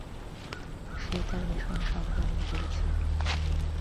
সে তার মিশন সম্পন্ন করেছে।